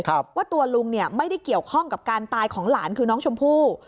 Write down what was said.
ว่าตัวลุงเนี่ยไม่ได้เกี่ยวข้องกับการตายของหลานคือน้องชมพู่